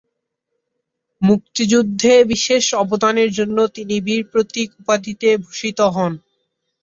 মুক্তিযুদ্ধে বিশেষ অবদানের জন্য তিনি বীর প্রতীক উপাধিতে ভূষিত হন।